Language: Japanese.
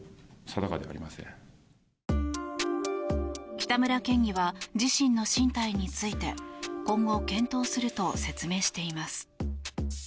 北村県議は自身の進退について今後検討すると説明しています。